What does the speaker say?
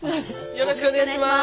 よろしくお願いします！